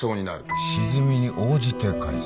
沈みに応じて返せ。